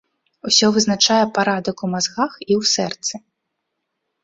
Усё вызначае парадак у мазгах і ў сэрцы.